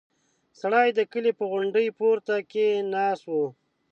سړی د کلي په غونډۍ پورته کې ناست و.